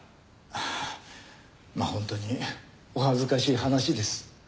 ああまあ本当にお恥ずかしい話です。